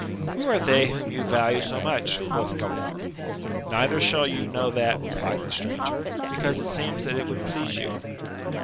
Who are they whom you vaJue sq much ? quoth Galaor. Neither shall you know that, replied the stranger, because it seems that it would please you.